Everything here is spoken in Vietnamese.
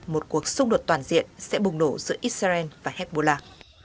một cuộc xung đột toàn diện sẽ bùng nổ giữa israel và hezbollah